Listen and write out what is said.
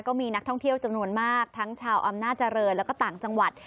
ก็มีนักท่องเที่ยวจำนวนมากทั้งชาวอำนาจริงแล้วก็ต่างจังหวัด